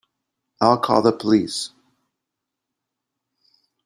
I'll call the police.